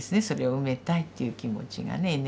それを埋めたいっていう気持ちがね